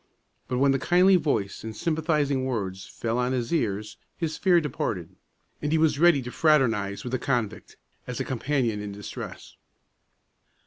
But when the kindly voice and sympathizing words fell on his ears, his fear departed, and he was ready to fraternize with the convict, as a companion in distress.